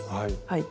はい。